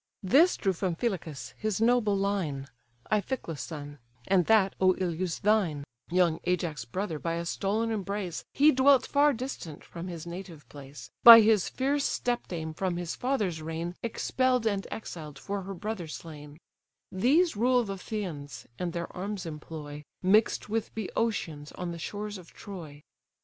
This drew from Phylacus his noble line; Iphiclus' son: and that (Oïleus) thine: (Young Ajax' brother, by a stolen embrace; He dwelt far distant from his native place, By his fierce step dame from his father's reign Expell'd and exiled for her brother slain:) These rule the Phthians, and their arms employ, Mix'd with Bœotians, on the shores of Troy.